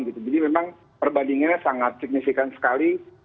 jadi memang perbandingannya sangat signifikan sekali